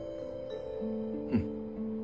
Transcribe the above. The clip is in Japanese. うん。